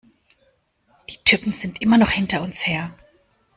Die Typen sind immer noch hinter uns her!